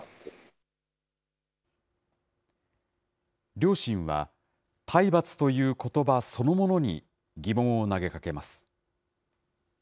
両親は、体罰ということばそのものに疑問を投げかけます。